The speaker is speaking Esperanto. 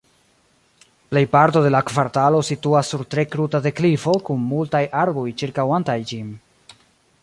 Plejparto de la kvartalo situas sur tre kruta deklivo kun multaj arboj ĉirkaŭantaj ĝin.